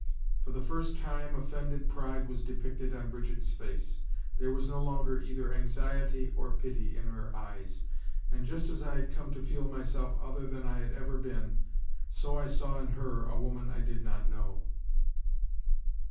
For the first time, offended pride was depicted on Brigitte's face. There was no longer either anxiety or pity in her eyes and, just as I had come to feel myself other than I had ever been, so I saw in her a woman I did not know.